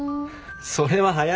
それは早いだろ。